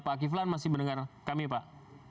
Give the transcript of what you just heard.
pak kiflan masih mendengar kami pak